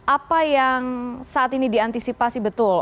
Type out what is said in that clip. apa yang saat ini diantisipasi betul